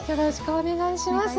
お願いします。